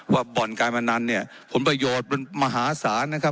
บ่อนการพนันเนี่ยผลประโยชน์มันมหาศาลนะครับ